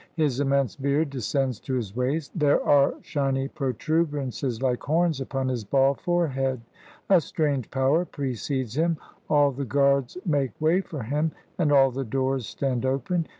His immense beard descends to his waist; there are shiny protuberances like horns upon his bald forehead. A strange power precedes him; all the guards make way for him, and all the doors stand open.